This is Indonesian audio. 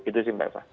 itu sih mbak eva